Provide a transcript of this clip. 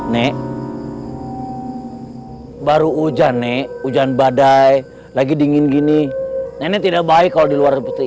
nek baru hujan nek hujan badai lagi dingin gini nenek tidak baik kalau di luar putih